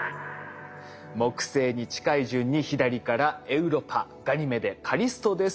木星に近い順に左からエウロパガニメデカリストです。